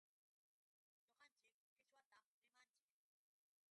Ñuqanchik qichwatam rimanchik.